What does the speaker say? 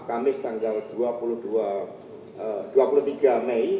kamis tanggal dua puluh dua dua puluh tiga mei